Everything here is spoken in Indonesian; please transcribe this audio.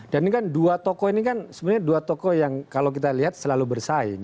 dan ini kan dua tokoh ini kan sebenarnya dua tokoh yang kalau kita lihat selalu bersaing